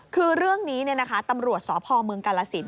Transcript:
คือเรื่องนี้ตำรวจสพเมืองกาลสิน